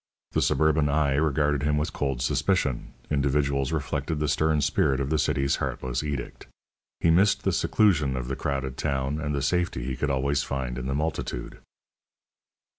The suburban eye regarded him with cold suspicion, individuals reflected the stern spirit of the city's heartless edict. He missed the seclusion of the crowded town and the safety he could always find in the multitude.